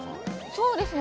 そうですね。